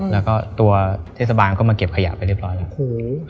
แล้วก็ตัวเทศบาลก็มาเก็บขยะไปเรียบร้อยแล้ว